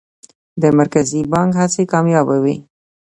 د مرکزي بانک هڅې کامیابه وې؟